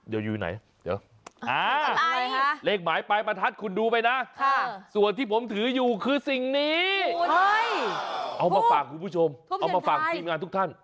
เดี๋ยวอยู่ไหนเดี๋ยวเลขหมายปลายประทัดคุณดูไปนะส่วนที่ผมถืออยู่คือสิ่งนี้เอามาฝากคุณผู้ชมเอามาฝากทีมงานทุกท่าน